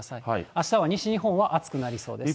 あしたは西日本は暑くなりそうです。